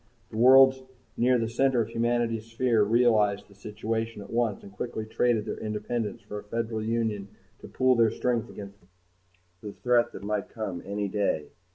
The worlds near the center of humanity's sphere realized the situation at once and quickly traded their independence for a Federal Union to pool their strength against the threat that might come any day.